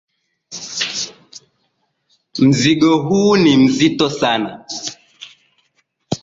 Mzigo huu ni mzito sana.